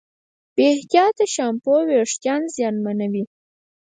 بې احتیاطه شیمپو وېښتيان زیانمنوي.